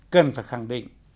cần phải khẳng định